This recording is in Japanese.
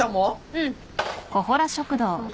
うん。